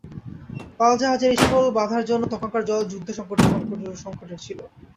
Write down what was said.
পাল-জাহাজের এই সকল বাধার জন্য তখনকার জল-যুদ্ধ সঙ্কটের ছিল।